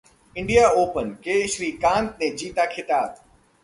India open: K. Srikanth ने जीता खिताब